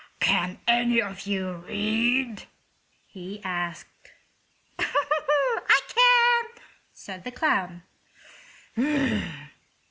"Can any of you read?" he asked. "I can," said the clown.